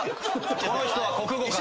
この人は国語かな？